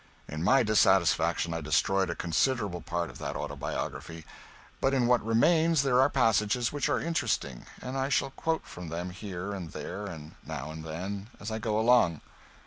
In my dissatisfaction I destroyed a considerable part of that autobiography. But in what remains there are passages which are interesting, and I shall quote from them here and there and now and then, as I go along.